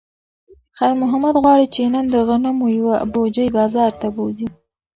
خیر محمد غواړي چې نن د غنمو یوه بوجۍ بازار ته بوځي.